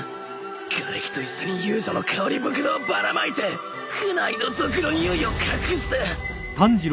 がれきと一緒に遊女の香り袋をばらまいてクナイの毒のにおいを隠した！